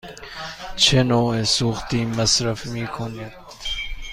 چه نوع سوختی مصرف می کند؟